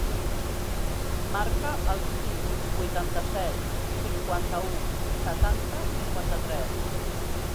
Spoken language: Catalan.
Marca el sis, vuitanta-set, cinquanta-u, setanta, cinquanta-tres.